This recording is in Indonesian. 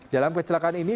dalam kecelakaan ini